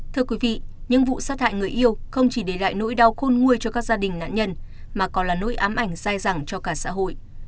thưa quý vị những vụ sát hại người yêu không chỉ để lại nỗi đau khôn nguôi cho các gia đình nạn nhân mà còn là nỗi ám ảnh dai dẳng cho cả xã hội